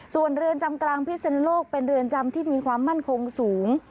ส่วนเรือนจำกลางพิศนโลกเป็นเรือนจำที่มีความมั่นคงสูง